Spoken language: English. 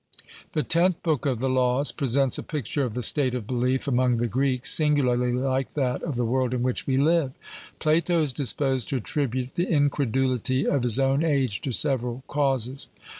The Tenth Book of the Laws presents a picture of the state of belief among the Greeks singularly like that of the world in which we live. Plato is disposed to attribute the incredulity of his own age to several causes.